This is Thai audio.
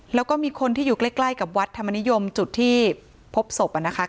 แล้วก็มีคนที่อยู่ใกล้กับวัดธรรมนิยมจุดที่พบศพนะคะ